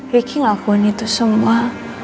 riki ngakuin itu semua